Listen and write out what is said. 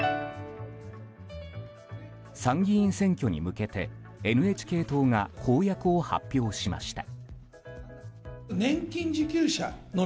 参議院選挙に向けてＮＨＫ党が公約を発表しました。